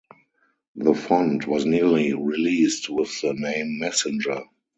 The font was nearly released with the name Messenger.